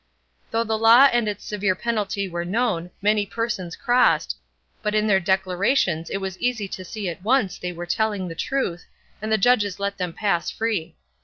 Though the law and its severe penalty were known, many persons crossed, but in their declarations it was easy to see at once they were telling the truth, and the judges let them pass free.